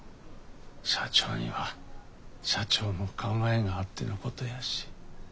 社長には社長の考えがあってのことやし。